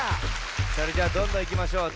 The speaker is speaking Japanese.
それじゃあどんどんいきましょう。